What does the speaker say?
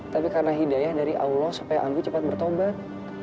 tapi karena hidayah dari allah supaya anggu cepat bertobat